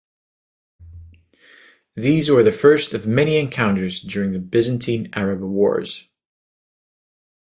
These were the first of many encounters during the Byzantine-Arab Wars.